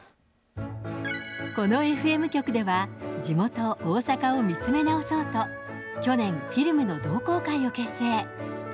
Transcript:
このＦＭ局では、地元、大阪を見つめ直そうと、去年、フィルムの同好会を結成。